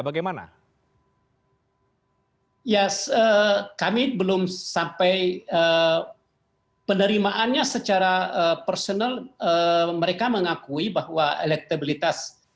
bagaimana ya kami belum sampai penerimaannya secara personal mereka mengakui bahwa elektabilitas